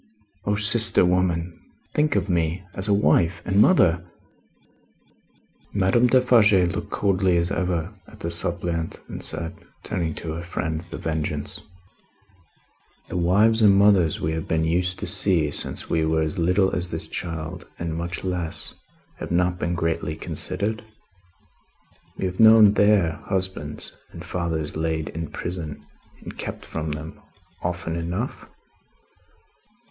O sister woman, think of me. As a wife and mother!" Madame Defarge looked, coldly as ever, at the suppliant, and said, turning to her friend The Vengeance: "The wives and mothers we have been used to see, since we were as little as this child, and much less, have not been greatly considered? We have known their husbands and fathers laid in prison and kept from them, often enough?